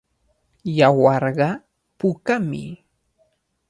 Yawarqa pukami.